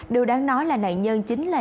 điều đáng nói là nạn nhân chính là